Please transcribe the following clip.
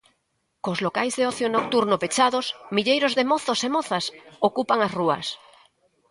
Cos locais de ocio nocturno pechados, milleiros de mozos e mozas ocupan as rúas.